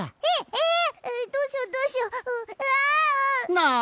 なあ！